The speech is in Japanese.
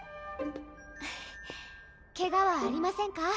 けがはありませんか？